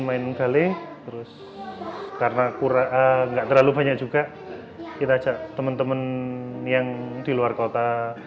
main gale terus karena kurang enggak terlalu banyak juga kita ajak teman teman yang di luar kota